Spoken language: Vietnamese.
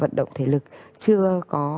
vận động thể lực chưa có